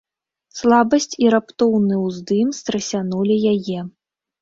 Слабасць і раптоўны ўздым страсянулі яе.